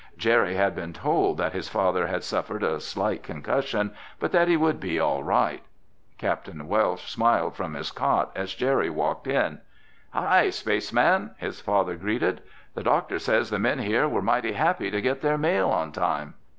Jerry had been told that his father had suffered a slight concussion, but that he would be all right. Capt. Welsh smiled from his cot as Jerry walked in. "Hi, space man," his father greeted. "The doctor says the men here were mighty happy to get their mail on time."